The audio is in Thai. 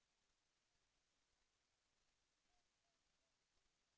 แสวได้ไงของเราก็เชียนนักอยู่ค่ะเป็นผู้ร่วมงานที่ดีมาก